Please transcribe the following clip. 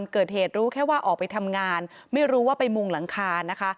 เกิดเหตุรู้แค่ว่าออกไปทำงานไม่รู้ว่าไปมุงหลังคานะคะ